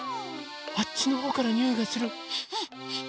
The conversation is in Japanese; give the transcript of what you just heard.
あっちのほうからにおいがする。